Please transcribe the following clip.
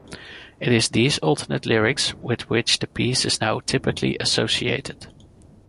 It is these alternate lyrics with which the piece is now typically associated.